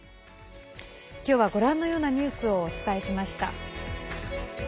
今日はご覧のようなニュースをお伝えしました。